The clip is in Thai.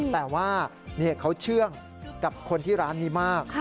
แต่ว่าเขาเชื่องกับคนที่ร้านนี้มาก